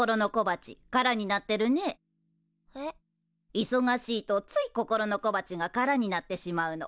いそがしいとつい心の小鉢が空になってしまうの。